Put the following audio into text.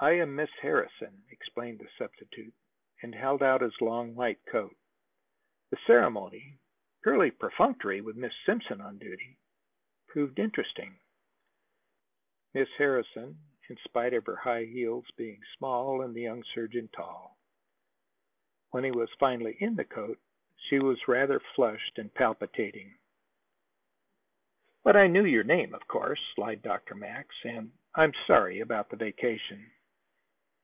"I am Miss Harrison," explained the substitute, and held out his long white coat. The ceremony, purely perfunctory with Miss Simpson on duty, proved interesting, Miss Harrison, in spite of her high heels, being small and the young surgeon tall. When he was finally in the coat, she was rather flushed and palpitating. "But I KNEW your name, of course," lied Dr. Max. "And I'm sorry about the vacation."